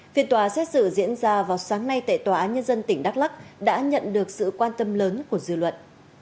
phiên tòa xét xử diễn ra vào sáng nay tại tòa án nhân dân tỉnh đắk lắc đã nhận được sự quan tâm lớn của dư luận